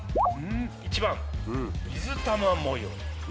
１番水玉模様。